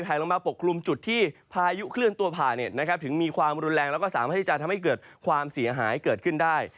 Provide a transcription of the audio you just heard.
ลงมาปกคลุมจุดที่พายุเคลื่อนตัวผ่านถึงมีความรุนแรงแล้วก็สามารถที่จะทำให้เกิดความเสียหายเกิดขึ้นได้